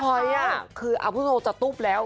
เพ้อยน์คืออภูมิศโศกจัดตุ๊บแล้ว